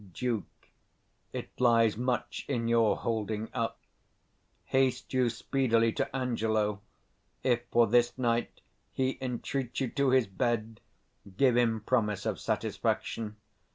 Duke. It lies much in your holding up. Haste you speedily to Angelo: if for this night he entreat you to his bed, give him promise of satisfaction.